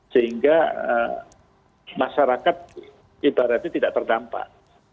sehingga masyarakat ibaratnya tidak terdampak